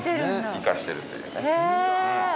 生かしてるっていうね。